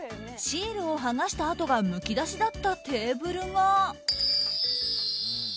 シールを剥がした跡がむき出しだったテーブルが。